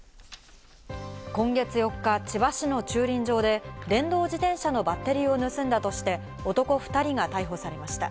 今月４日、千葉市の駐輪場で電動自転車のバッテリーを盗んだとして男２人が逮捕されました。